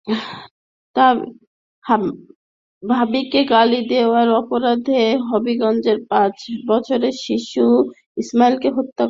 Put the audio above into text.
ভাবিকে গালি দেওয়ার অপরাধে হবিগঞ্জের পাঁচ বছরের শিশু ইসমাইলকে হত্যা করা হয়েছে।